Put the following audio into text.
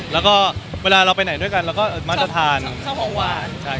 แล้วเวลาเราไปไหนด้วยกันแล้วมากจะทานของหวาน